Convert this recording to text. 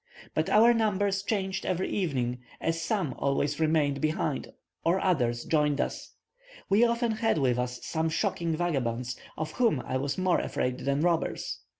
But our numbers changed every evening, as some always remained behind, or others joined us. We often had with us some shocking vagabonds, of whom I was more afraid than robbers.